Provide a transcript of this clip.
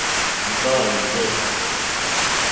Mbâ njɛ̂.